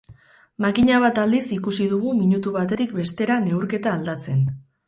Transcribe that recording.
Makina bat aldiz ikusi dugu minutu batetik bestera neurketa aldatzen.